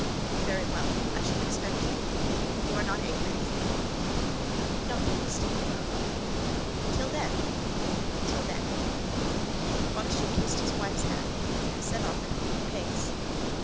"Very well; I shall expect you. You are not angry with me?" "Not the least in the world." "Till then, then?" "Till then." Bonacieux kissed his wife's hand, and set off at a quick pace.